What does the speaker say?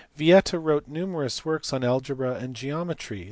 Yieta wrote numerous works on algebra and geometry.